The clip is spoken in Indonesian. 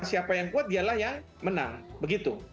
siapa yang kuat dialah yang menang begitu